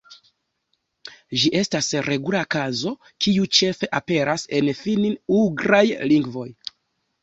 Ĝi estas regula kazo, kiu ĉefe aperas en finn-ugraj lingvoj.